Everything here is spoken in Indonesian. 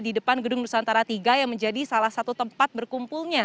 di depan gedung nusantara tiga yang menjadi salah satu tempat berkumpulnya